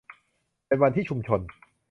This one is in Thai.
เป็นวันที่ชุมชน